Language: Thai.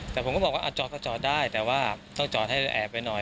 แต่ผมก็บอกว่าจอดก็จอดได้แต่ว่าต้องจอดให้แอบไปหน่อย